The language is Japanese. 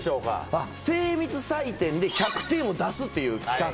精密採点で１００点を出すという企画。